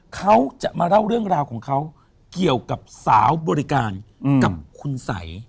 เขาจะมาเล่าเรื่องราวของเขาเกี่ยวกับสาวบริการกับคุณสัย